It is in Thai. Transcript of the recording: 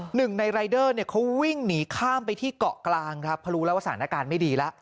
หนึ่งในรายเดอร์เนี่ยเขาวิ่งหนีข้ามไปที่เกาะกลางครับเพราะรู้แล้วว่าสถานการณ์ไม่ดีแล้ว